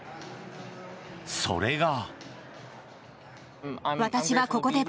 それが。